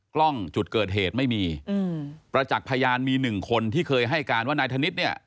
กล้องวงจรปิดไม่มีอืมประจักษ์พยานมีหนึ่งคนที่เคยให้การว่านายธนิษฐ์เนี่ย